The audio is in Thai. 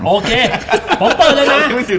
โอเคผมเปิดแล้วนะ